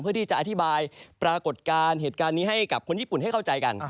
อธิบายปรากฏการณ์เหตุการณ์นี้ให้กับคนญี่ปุ่นให้เข้าใจกัน